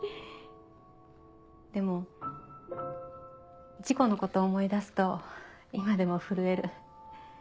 でも事故のこと思い出すと今でも震える。